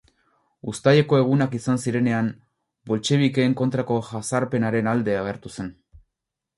Uztaileko Egunak izan zirenean, boltxebikeen kontrako jazarpenaren alde agertu zen.